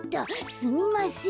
すみません。